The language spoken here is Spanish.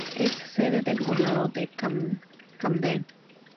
Es sede del condado de Camden.